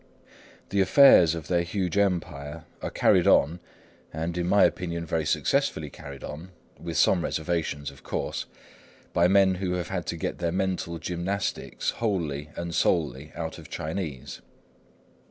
The affairs of their huge empire are carried on, and in my opinion very successfully carried on—with some reservations, of course—by men who have had to get their mental gymnastics wholly and solely out of Chinese.